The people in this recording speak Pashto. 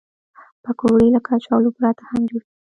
پکورې له کچالو پرته هم جوړېږي